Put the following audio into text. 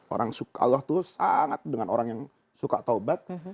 orang suka allah itu sangat dengan orang yang suka taubat